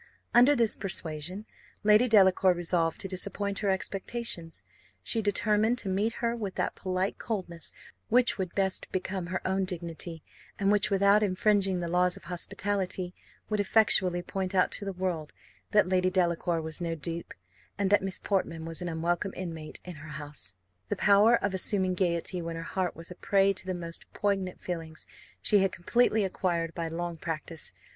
Under this persuasion, Lady Delacour resolved to disappoint her expectations: she determined to meet her with that polite coldness which would best become her own dignity, and which, without infringing the laws of hospitality, would effectually point out to the world that Lady Delacour was no dupe, and that Miss Portman was an unwelcome inmate in her house. The power of assuming gaiety when her heart was a prey to the most poignant feelings, she had completely acquired by long practice.